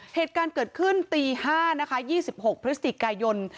เหตุการณ์เกิดขึ้นตี๕นะคะ๒๖พฤศจิกายน